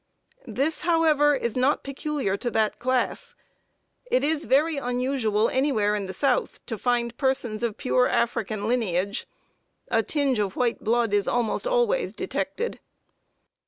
This, however, is not peculiar to that class. It is very unusual anywhere in the South to find persons of pure African lineage. A tinge of white blood is almost always detected.